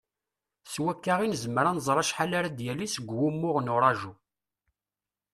S wakka i nezmer ad nẓer acḥal ara d-yalin seg wumuɣ n uraju.